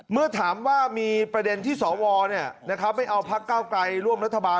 เมื่อถามว่ามีประเด็นที่สวไม่เอาพักเก้าไกลร่วมรัฐบาล